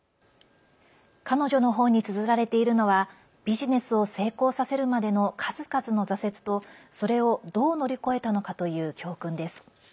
彼女の本につづられているのはビジネスを成功させるまでの数々の挫折とそれをどう乗り越えたのかという教訓です。